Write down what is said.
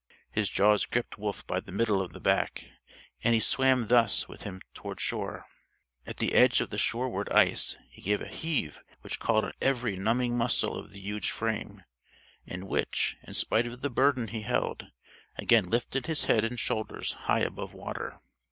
His jaws gripped Wolf by the middle of the back, and he swam thus with him toward shore. At the edge of the shoreward ice he gave a heave which called on every numbing muscle of the huge frame, and which in spite of the burden he held again lifted his head and shoulders high above water.